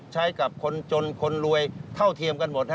ใช้กับคนจนคนรวยเท่าเทียมกันหมด